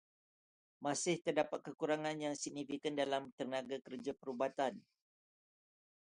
Masih terdapat kekurangan yang signifikan dalam tenaga kerja perubatan.